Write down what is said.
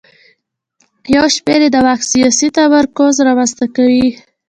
یو شمېر یې د واک سیاسي تمرکز رامنځته کوي.